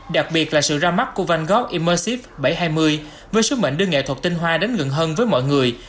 đặc biệt là sự ra mắt của van gog imerce bảy trăm hai mươi với sứ mệnh đưa nghệ thuật tinh hoa đến gần hơn với mọi người